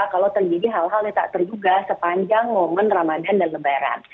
kalau terjadi hal hal yang tak terduga sepanjang momen ramadan dan lebaran